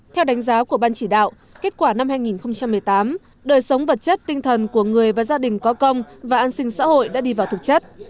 theo đánh giá của ban chỉ đạo kết quả năm hai nghìn một mươi tám đời sống vật chất tinh thần của người và gia đình có công và an sinh xã hội đã đi vào thực chất